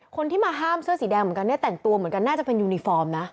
คนที่มาห้ามเสื้อสีแดงเหมือนกันเนี่ยแต่งตัวเหมือนกันน่าจะเป็นยูนิฟอร์มนะ